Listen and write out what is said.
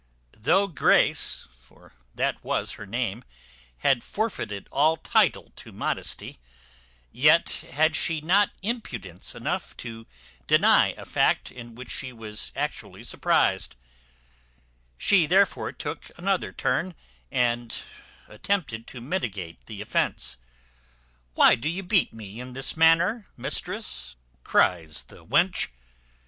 Though Grace (for that was her name) had forfeited all title to modesty; yet had she not impudence enough to deny a fact in which she was actually surprized; she, therefore, took another turn, and attempted to mitigate the offence. "Why do you beat me in this manner, mistress?" cries the wench.